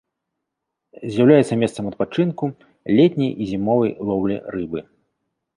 З'яўляецца месцам адпачынку, летняй і зімовай лоўлі рыбы.